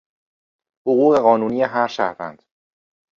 حقوق قانونی هر شهروند